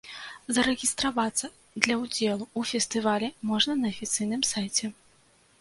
Зарэгістравацца для ўдзелу ў фестывалі можна на афіцыйным сайце.